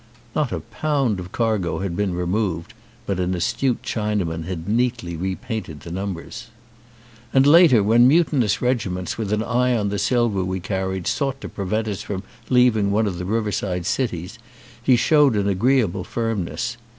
Not a pound of cargo had been removed, but an astute Chinaman had neatly repainted the num bers. And later when mutinous regiments with an eye on the silver we carried sought to prevent us from leaving one of the riverside cities he showed an agreeable firmness.